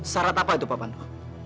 syarat apa itu pak pandu